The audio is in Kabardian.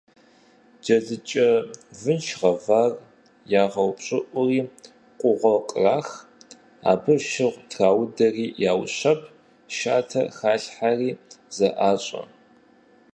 Джэдыкӏэ вынш гъэвар ягъэупщӏыӏури кугъуэр кърах, абы шыгъу траудэри яущэб, шатэ халъхьэри, зэӏащӏэ.